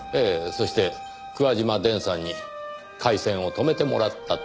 そして桑島伝さんに回線を止めてもらったと。